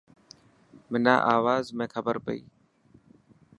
منان آواز ۾ کبر پئي.